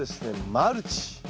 マルチ。